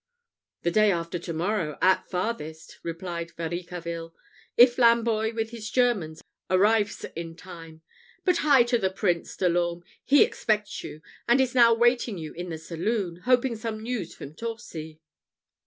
"The day after to morrow, at farthest," replied Varicarville, "if Lamboy with his Germans arrives in time. But hie to the Prince, De l'Orme. He expects you, and is now waiting you in the saloon, hoping some news from Torcy."